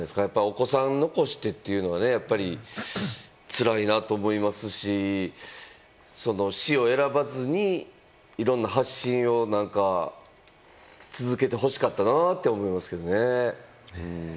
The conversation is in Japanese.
お子さん残してというのは、やっぱりつらいなと思いますし、死を選ばずにいろんな発信を続けてほしかったなって思いますけどね。